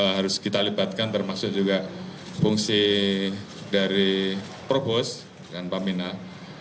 harus kita libatkan termasuk juga fungsi dari probos dan peminat